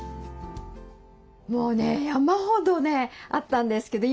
もうね山ほどねあったんですけど